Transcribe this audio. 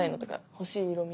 欲しい色み。